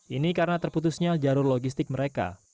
ini karena terputusnya jalur logistik mereka